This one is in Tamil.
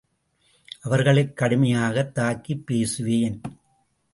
அவர்களைக் கடுமையாகத் தாக்கிப் பேசுவேன்.